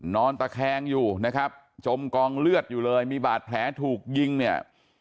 นอนตะแคงอยู่นะครับจมกองเลือดอยู่เลยมีบาดแผลถูกยิงเนี่ย